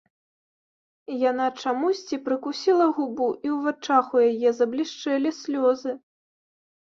Яна чамусьці прыкусіла губу, і ў вачах у яе заблішчэлі слёзы.